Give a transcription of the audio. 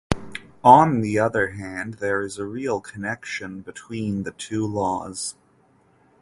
On the other hand, there is a real connection between the two laws.